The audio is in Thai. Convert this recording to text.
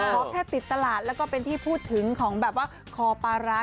เพราะแค่ติดตลาดแล้วก็เป็นที่พูดถึงของคอปาร้า